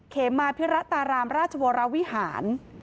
เขมาพิระตารามราชวรวิหาร